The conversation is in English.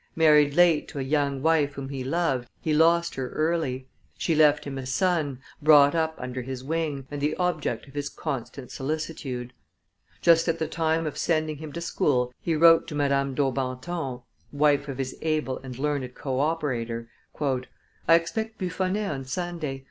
Married late to a young wife whom he loved, he lost her early; she left him a son, brought up under his wing, and the object of his constant solicitude. Just at the time of sending him to school, he wrote to Madame Daubenton, wife of his able and learned co operator: "I expect Buffonet on Sunday.